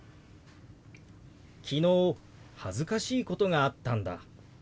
「昨日恥ずかしいことがあったんだ」。